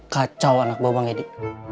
kacau anak bapak bang edi